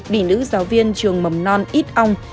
bị nữ giáo viên trường mầm non ít ong